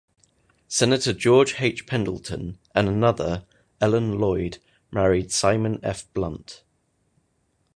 Senator George H. Pendleton and another, Ellen Lloyd, married Simon F. Blunt.